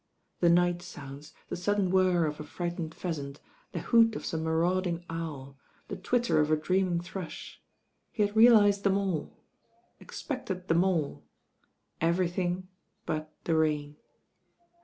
The night sounds, the sudden whirr of a frightened pheasant, the hoot of some marauding owl, the twitter of a dreaming thrush; he had real ised them all, expected them all— everything but the rain.